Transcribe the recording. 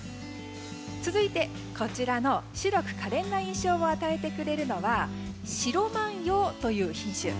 続いて、こちらの白くかれんな印象を与えてくれるのは白万葉という品種。